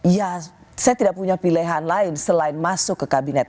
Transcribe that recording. ya saya tidak punya pilihan lain selain masuk ke kabinet